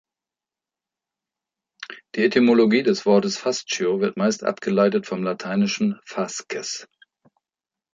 Die Etymologie des Wortes "fascio" wird meist abgeleitet vom lateinischen "fasces".